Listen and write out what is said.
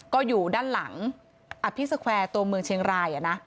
ก็อยู่ด้านหลังอัพฟิกเซอร์แคร์ตัวเมืองเชียงราย